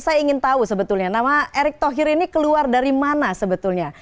saya ingin tahu sebetulnya nama erick thohir ini keluar dari mana sebetulnya